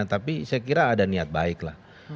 tapi saya kira ada niat baik lah